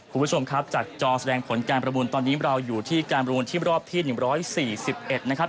คุณผู้ชมครับจากจอแสดงผลการประมูลตอนนี้เราอยู่ที่การประมูลที่รอบที่๑๔๑นะครับ